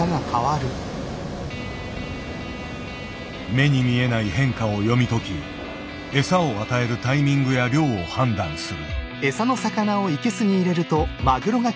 目に見えない変化を読み解き餌を与えるタイミングや量を判断する。